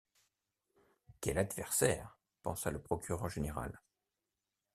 Quel adversaire! pensa le procureur général.